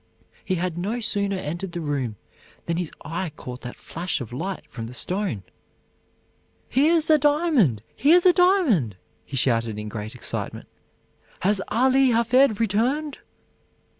He had no sooner entered the room than his eye caught that flash of light from the stone. "Here's a diamond! here's a diamond!" he shouted in great excitement. "Has Ali Hafed returned?"